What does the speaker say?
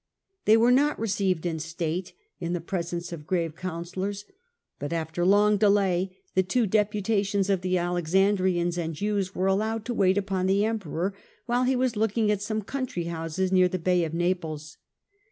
They were not received in state, in the presence of grave coun sellors, but after long delay the two deputations of the Alexandrians and Jews were allowed to wait upon the Emperor while he was looking at some country houses near the bay of Naples.